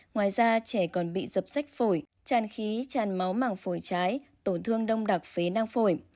ngoài ra trẻ còn bị dập sách phổi tràn khí tràn máu màng phổi trái tổn thương đông đặc phế nang phổi